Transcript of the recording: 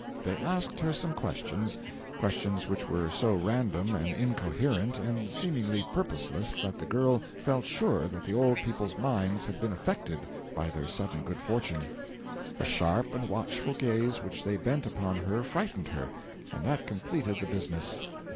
They asked her some questions questions which were so random and incoherent and seemingly purposeless that the girl felt sure that the old people's minds had been affected by their sudden good fortune; the sharp and watchful gaze which they bent upon her frightened her, and that completed the business.